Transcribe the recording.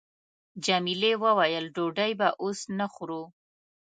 جميلې وويل:، ډوډۍ به اوس نه خورو.